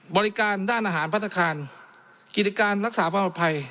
บริการด้านอาหารพัฒนาคารกิจการรักษาความปลอดภัย